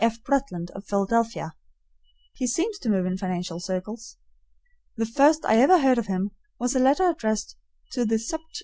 F. Bretland of Philadelphia. He seems to move in financial circles. The first I ever heard of him was a letter addressed to the "Supt.